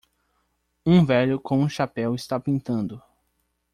Um velho com um chapéu está pintando